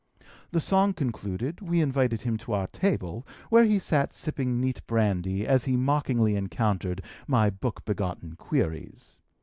The song concluded, we invited him to our table, where he sat sipping neat brandy, as he mockingly encountered my book begotten queries.